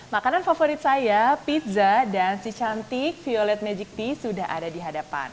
makanan favorit saya pizza dan si cantik violet magic tea sudah ada di hadapan